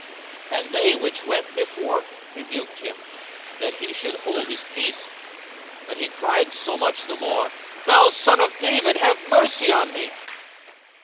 42:018:039 And they which went before rebuked him, that he should hold his peace: but he cried so much the more, Thou son of David, have mercy on me.